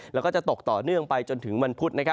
แล้วก็จะตกต่อเนื่องไปจนถึงวันพุธ